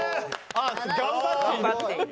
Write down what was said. あっ「頑張っている」。